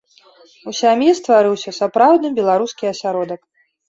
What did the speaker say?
У сям'і стварыўся сапраўдны беларускі асяродак.